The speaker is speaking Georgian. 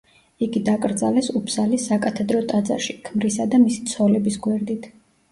იგი დაკრძალეს უფსალის საკათედრო ტაძარში, ქმრისა და მისი ცოლების გვერდით.